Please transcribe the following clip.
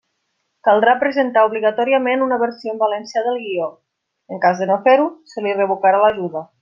Caldrà presentar obligatòriament una versió en valencià del guió; en cas de no fer-ho, se li revocarà l'ajuda.